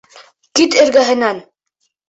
Кит эргәһенән!